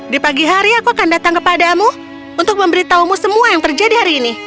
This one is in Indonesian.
di pagi hari aku akan datang kepadamu untuk memberitahumu semua yang terjadi hari ini